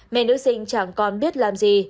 mẹ nữ sinh chẳng còn biết làm gì